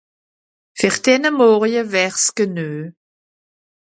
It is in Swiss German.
Fer denne Morje wär's genue.